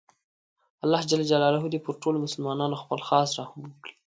الله ﷻ دې پر ټولو مسلماناتو خپل خاص رحم وکړي